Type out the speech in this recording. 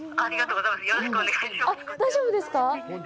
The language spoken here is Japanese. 大丈夫ですか？